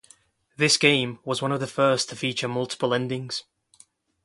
This game was one of the first to feature multiple endings.